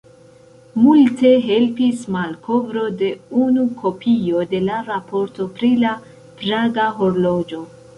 Multe helpis malkovro de unu kopio de la Raporto pri la Praga horloĝo.